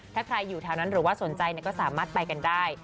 ถ้าใครอยู่แถวนั้นหรือว่าสนใจก็สามารถไปกันได้